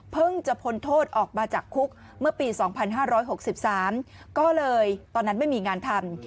จะพ้นโทษออกมาจากคุกเมื่อปี๒๕๖๓ก็เลยตอนนั้นไม่มีงานทำ